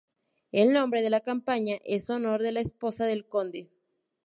El nombre de la compañía es honor de la esposa del conde.